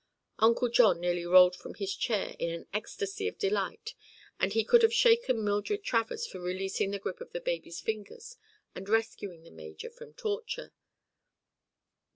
Uncle John nearly rolled from his chair in an ecstacy of delight and he could have shaken Mildred Travers for releasing the grip of the baby fingers and rescuing the major from torture.